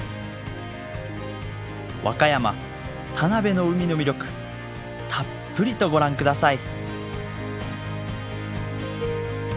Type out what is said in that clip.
和歌山田辺の海の魅力たっぷりとご覧ください。